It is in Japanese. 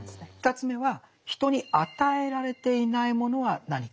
２つ目は「人に与えられていないものは何か？」。